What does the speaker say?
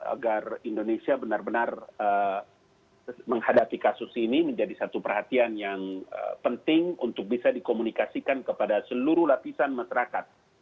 agar indonesia benar benar menghadapi kasus ini menjadi satu perhatian yang penting untuk bisa dikomunikasikan kepada seluruh lapisan masyarakat